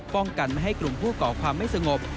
ป้องกันไม่ให้กลุ่มผู้ก่อความไม่สงบ